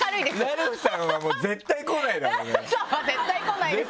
ラルフさんは絶対来ないですよ。